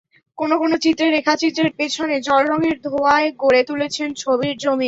কোনো কোনো চিত্রে রেখাচিত্রের পেছনে জলরঙের ধোঁয়ায় গড়ে তুলেছেন ছবির জমিন।